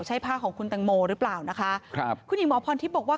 ใช่ผ้าของคุณตังโมหรือเปล่านะคะครับคุณหญิงหมอพรทิพย์บอกว่า